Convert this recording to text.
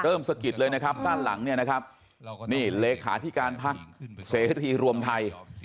สะกิดเลยนะครับด้านหลังเนี่ยนะครับนี่เลขาที่การพักเสรีรวมไทย